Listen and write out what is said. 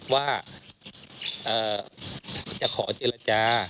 ว่าจะขอเจรจา